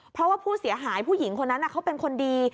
เพราะว่าผู้เสียหายผู้หญิงคนนั้นเขาเป็นคนดี